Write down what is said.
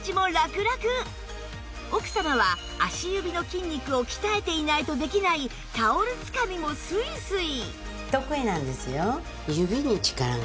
奥様は足指の筋肉を鍛えていないとできないタオルつかみもスイスイ！